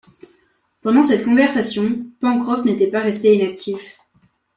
Pendant cette conversation, Pencroff n’était pas resté inactif